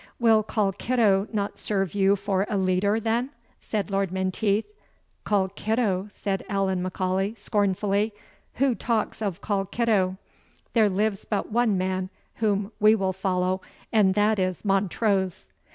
"Will Colkitto not serve you for a leader, then?" said Lord Menteith. "Colkitto?" said Allan M'Aulay, scornfully; "who talks of Colkitto? There lives but one man whom we will follow, and that is Montrose."